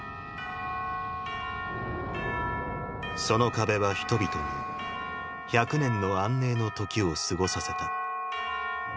その壁は人々に１００年の安寧の時を過ごさせた。